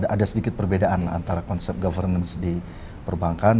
ada sedikit perbedaan antara konsep governance di perbankan